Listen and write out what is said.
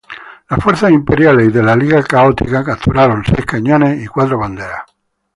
Las fuerzas imperiales y de la Liga Católica capturaron seis cañones y cuatro banderas.